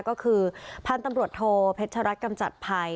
ก็คือพันธุ์ตำรวจโทเพชรรัฐกำจัดภัย